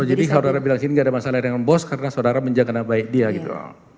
jadi saudara bilang di sini tidak ada masalah dengan bos karena saudara menjaga nama baik dia gitu